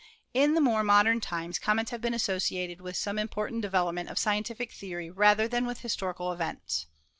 In more modern times comets have been associated with some important development of scientific theory rather than with historical events.